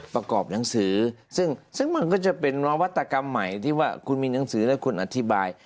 ประกอบหนังสือซึ่งมันก็จะเป็นนวัตกรรมใหม่ที่ว่าคุณมีหนังสือแล้วคุณอธิบาย